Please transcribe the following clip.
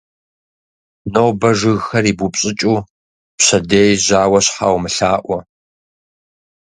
Нобэ жыгхэр ибупщӀыкӀу, пщэдей жьауэ щхьа умылъаӀуэ.